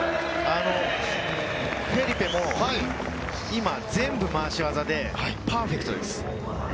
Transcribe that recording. フェリペも今、全部、回し技でパーフェクトです。